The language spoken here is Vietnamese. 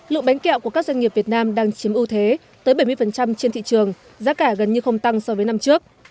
lượng bánh kẹo của các doanh nghiệp việt nam đang chiếm ưu thế tới bảy mươi trên thị trường giá cả gần như không tăng so với năm trước